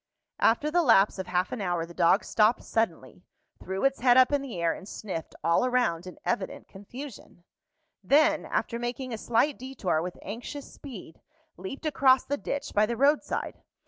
After the lapse of half an hour the dog stopped suddenly, threw its head up in the air, and sniffed all around in evident confusion; then, after making a slight detour with anxious speed, leaped across the ditch by the road side.